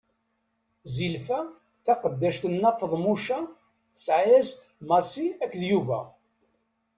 Zilfa, taqeddact n Nna Feḍmuca, tesɛa-as-d: Massi akked Yuba.